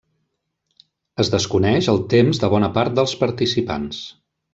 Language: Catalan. Es desconeix el temps de bona part dels participants.